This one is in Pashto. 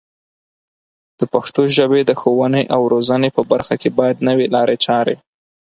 د پښتو ژبې د ښوونې او روزنې په برخه کې باید نوې لارې چارې